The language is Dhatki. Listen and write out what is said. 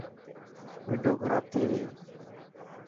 ونڊو خراب ٿي گئي.